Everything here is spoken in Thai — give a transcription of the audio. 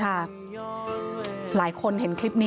คุณผู้ชมค่ะคุณผู้ชมค่ะ